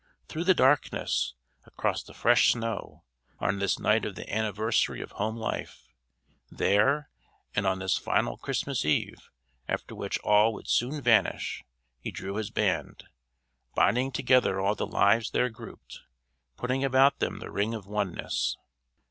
Through the darkness, across the fresh snow, on this night of the anniversary of home life, there and on this final Christmas Eve after which all would soon vanish, he drew this band binding together all the lives there grouped putting about them the ring of oneness.